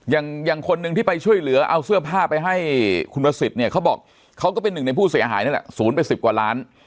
อย่างคนหนึ่งที่ไปช่วยเหลือเอาเสื้อผ้าไปให้คุณประสิทธิ์เนี่ยเขาบอกเขาก็เป็นหนึ่งในผู้เสียหายนั่นแหละศูนย์ไปสิบกว่าล้าน